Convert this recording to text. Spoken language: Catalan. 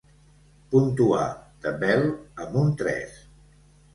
Puntuar "The Bell" amb un tres.